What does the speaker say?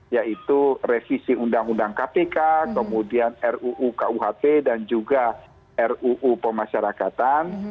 yaitu revisi undang undang kpk kemudian ruu kuhp dan juga ruu pemasyarakatan